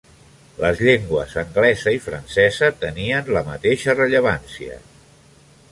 Les llengües anglesa i francesa tenien la mateixa rellevància.